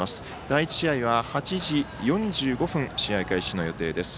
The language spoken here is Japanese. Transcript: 第１試合は８時４５分試合開始の予定です。